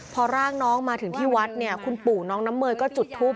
พอร่างน้องมาถึงที่วัดเนี่ยคุณปู่น้องน้ำเมยก็จุดทูป